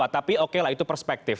tapi okelah itu perspektif